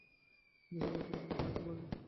এত সুন্দর করেও মানুষ হাসতে পারে!